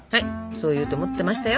そういうと思ってましたよ。